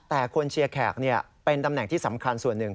แต่คนเชียร์แขกเป็นตำแหน่งที่สำคัญส่วนหนึ่ง